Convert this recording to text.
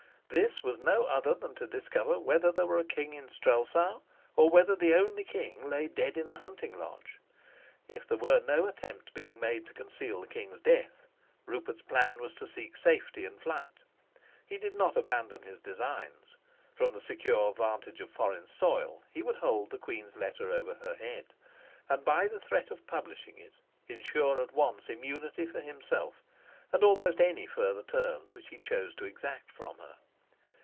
This was no other than to discover whether there were a king in Strelsau, or whether the only king lay dead in the hunting lodge. If there were no attempt being made to conceal the king's death, Rupert's plan was to seek safety in flight. He did not abandon his designs: from the secure vantage of foreign soil he would hold the queen's letter over her head, and by the threat of publishing it insure at once immunity for himself and almost any further terms which he chose to exact from her.